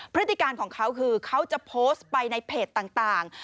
พฤติการของเขาคือเขาจะโพสต์ไปในเพจต่าง